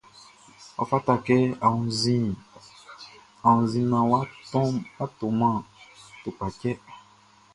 Ɔ fata kɛ a wunnzin naan wʼa tɔman tukpachtɛ.